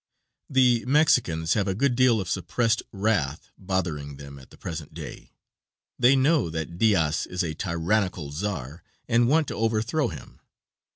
The Mexicans have a good deal of suppressed wrath bothering them at the present day; they know that Diaz is a tyrannical czar, and want to overthrow him.